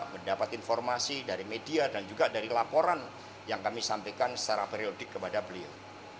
mendapat informasi dari media dan juga dari laporan yang kami sampaikan secara periodik kepada beliau